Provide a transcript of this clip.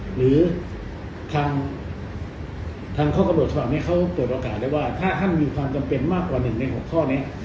หรือทางทางข้อกระบวนสถาบันให้เขาตรวจโอกาสได้ว่าถ้าท่านมีความจำเป็นมากกว่าหนึ่งในหกข้อนี้